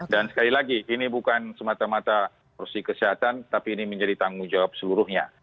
dan sekali lagi ini bukan semata mata proses kesehatan tapi ini menjadi tanggung jawab seluruhnya